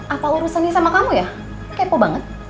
apa urusan ini sama kamu ya kepo banget